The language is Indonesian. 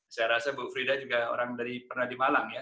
saya rasa bu frida juga orang dari pernah di malang ya